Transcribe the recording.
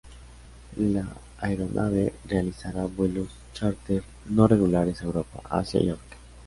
La aeronave realizará vuelos chárter no regulares a Europa, Asia y África.